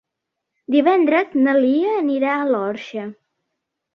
Divendres na Lia anirà a l'Orxa.